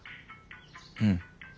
うん。